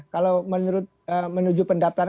kalau menuju pendapatan